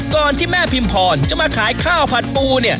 ที่แม่พิมพรจะมาขายข้าวผัดปู